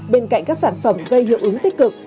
bên cạnh các sản phẩm gây hiệu ứng tích cực